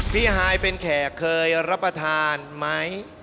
ฮายเป็นแขกเคยรับประทานไหม